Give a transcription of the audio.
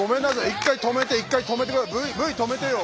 一回止めて一回止めてＶ止めてよ。